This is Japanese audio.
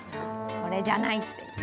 これじゃない！っていう。